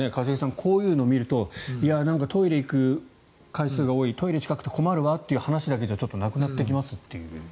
こういうのを見るとトイレに行く回数が多いトイレが近くて困るわという話だけじゃなくなってきますという。